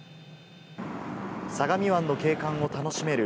相模湾の景観を楽しめる